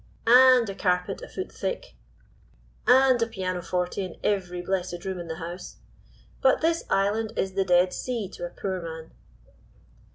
"And a carpet a foot thick. "And a piano forte in every blessed room in the house. But this island is the Dead Sea to a poor man."